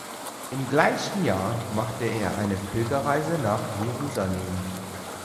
Im gleichen Jahr machte er eine Pilgerreise nach Jerusalem.